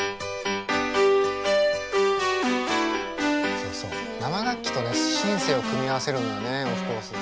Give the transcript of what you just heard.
そうそう生楽器とねシンセを組み合わせるのよねオフコース。